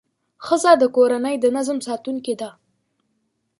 ښځه د کورنۍ د نظم ساتونکې ده.